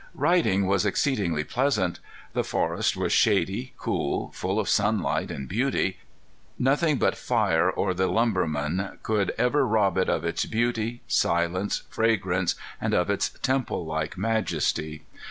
Riding was exceedingly pleasant. The forest was shady, cool, full of sunlight and beauty. Nothing but fire or the lumbermen could ever rob it of its beauty, silence, fragrance, and of its temple like majesty.